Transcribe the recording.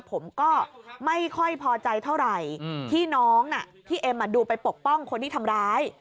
ผมก็ไม่ค่อยพอใจเท่าไหร่ที่น้องพี่เอ็มดูไปปกป้องคนที่ทำร้าย